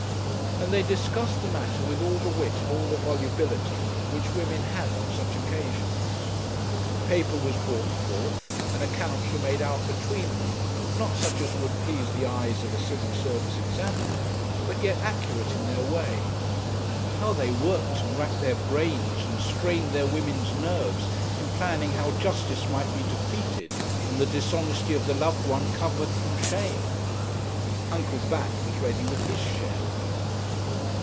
And they discussed the matter with all the wit and all the volubility which women have on such occasions. Paper was brought forth, and accounts were made out between them, not such as would please the eyes of a Civil Service Examiner, but yet accurate in their way. How they worked and racked their brains, and strained their women's nerves in planning how justice might be defeated, and the dishonesty of the loved one covered from shame! Uncle Bat was ready with his share.